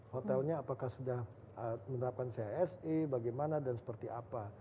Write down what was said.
hotelnya apakah sudah menerapkan chse bagaimana dan seperti apa